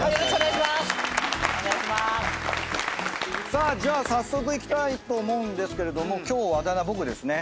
さあじゃあ早速いきたいと思うんですけれども今日あだ名僕ですね。